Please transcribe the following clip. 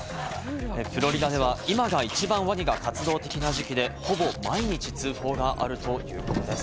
フロリダでは今が一番ワニが活動的な時期で、ほぼ毎日通報があるということです。